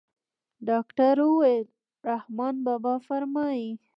ډاکتر وويل رحمان بابا فرمايي.